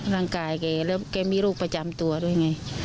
ร่างกายแกแล้วแกมีลูกประจำตัวด้วยไง